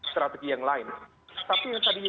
strategi yang lain tapi yang tadinya